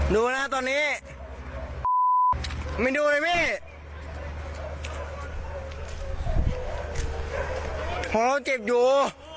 ดูหน้าตอนนี้ไม่ดูเลยมี่พอเราเจ็บอยู่